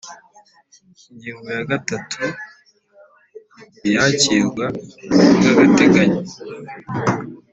Ingingo ya gatatu Iyakirwa ry agateganyo